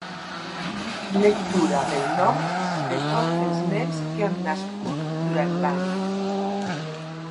Lectura del nom de tots els nens que han nascut durant l'any.